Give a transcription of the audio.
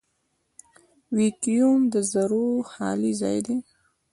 ویکیوم د ذرّو خالي ځای دی.